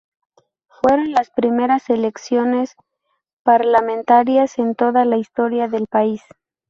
Fueron las primeras elecciones parlamentarias en toda la historia del país.